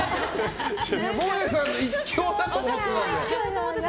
もえさんの一強だと思ってたので。